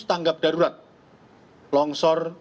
tanggap darurat longsor